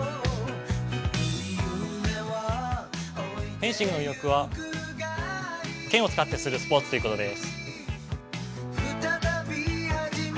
フェンシングの魅力は、剣を使ってするスポーツということです。